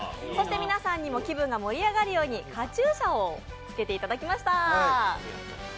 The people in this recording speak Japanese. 皆さんにも気分が盛り上がるようにカチューシャを着けていただきました。